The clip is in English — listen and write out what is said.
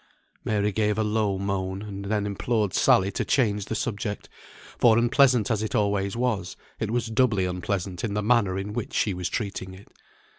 Mary gave a low moan, and then implored Sally to change the subject; for unpleasant as it always was, it was doubly unpleasant in the manner in which she was treating it.